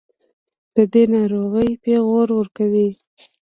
دَدغه ناروغۍپېغور ورکوي